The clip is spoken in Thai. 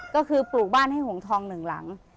ก็คือปลูกบ้านให้หงทองหนึ่งหลัง